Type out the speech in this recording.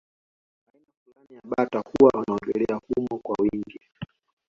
Aina fulani ya bata huwa wanaogelea humo kwa wingi